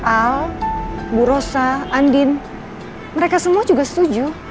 al bu rosa andin mereka semua juga setuju